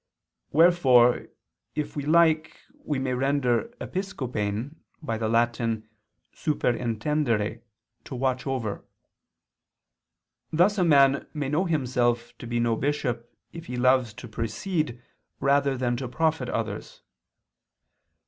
Wherefore if we like we may render episkopein by the Latin superintendere (to watch over): thus a man may know himself to be no bishop if he loves to precede rather than to profit others."